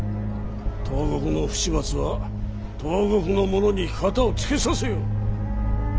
東国の不始末は東国の者に片をつけさせよ。